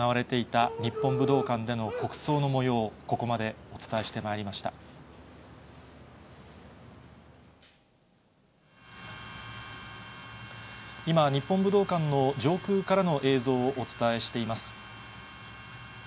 今、日本武道館の上空からの映像をお伝えしています。